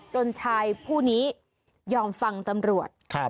ชายผู้นี้ยอมฟังตำรวจ